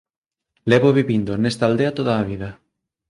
Levo vivindo nesta aldea toda a vida.